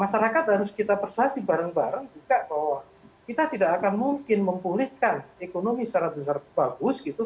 masyarakat harus kita persuasi bareng bareng juga bahwa kita tidak akan mungkin mempulihkan ekonomi secara besar bagus gitu